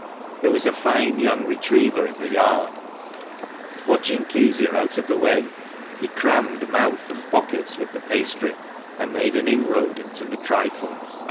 There was a fine young retriever in the yard. Watching Kezia out of the way, he crammed mouth and pockets with the pastry, and made an inroad into the trifle.